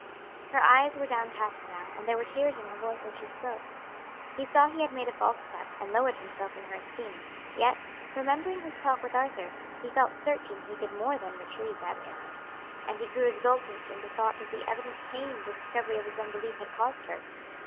Her eyes were downcast now, and there were tears in her voice as she spoke. He saw he had made a false step and lowered himself in her esteem, yet, remembering his talk with Arthur, he felt certain he could more than retrieve that error. And he grew exultant in the thought of the evident pain the discovery of his unbelief had caused her.